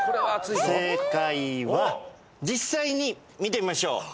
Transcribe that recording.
正解は実際に見てみましょう。